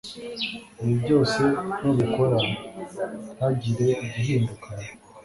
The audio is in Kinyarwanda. Ibi byose nubikora ntihagire igihinduka